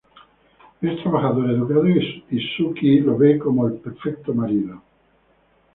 Es trabajador, educado y Sookie lo ve como el perfecto marido.